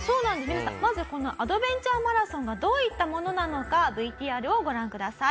皆さんまずこのアドベンチャーマラソンがどういったものなのかＶＴＲをご覧ください。